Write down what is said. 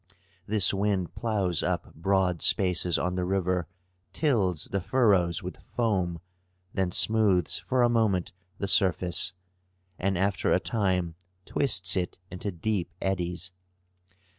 This wind ploughs up broad spaces on the river, tills the furrows with foam, then smooths for a moment the surface, and after a time twists it into deep eddies.